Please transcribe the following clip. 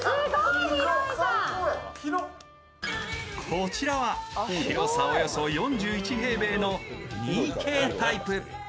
こちらは広さおよそ４１平米の２Ｋタイプ。